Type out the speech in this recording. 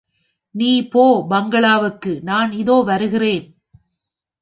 நீ போ பங்களாவுக்கு நான் இதோ வருகிறேன்.